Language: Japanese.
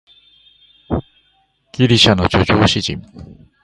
ギリシャの叙情詩人